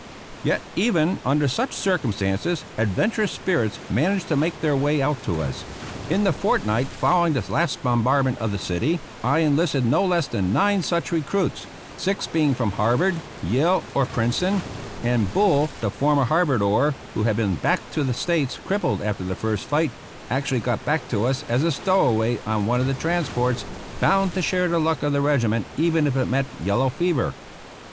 Yet even under such circumstances adventurous spirits managed to make their way out to us. In the fortnight following the last bombardment of the city I enlisted no less than nine such recruits, six being from Harvard, Yale, or Princeton; and Bull, the former Harvard oar, who had been back to the States crippled after the first fight, actually got back to us as a stowaway on one of the transports, bound to share the luck of the regiment, even if it meant yellow fever.